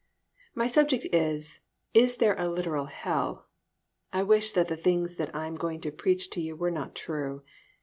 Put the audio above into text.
My subject is "Is There a Literal Hell?" I wish that the things that I am going to preach to you were not true.